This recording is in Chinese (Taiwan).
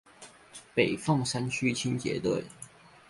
北鳳山區清潔隊